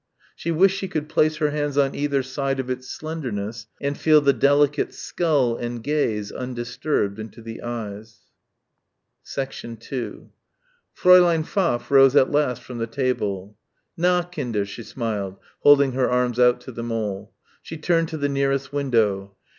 She wished she could place her hands on either side of its slenderness and feel the delicate skull and gaze undisturbed into the eyes. 2 Fräulein Pfaff rose at last from the table. "Na, Kinder," she smiled, holding her arms out to them all. She turned to the nearest window.